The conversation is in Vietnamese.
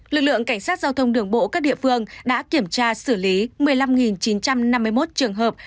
lực lượng cảnh sát giao thông đường bộ các địa phương đã kiểm tra xử lý một mươi năm chín trăm năm mươi một trường hợp